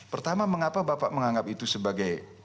pertama mengapa bapak menganggap itu sebagai